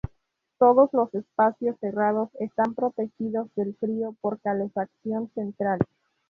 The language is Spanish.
Todos los espacios cerrados están protegidos del frío por calefacción central.